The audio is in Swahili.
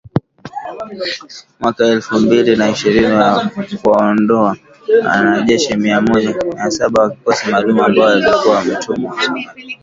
mwaka elfu mbili na ishirini wa kuwaondoa wanajeshi mia saba wa kikosi maalum ambao walikuwa wametumwa Somalia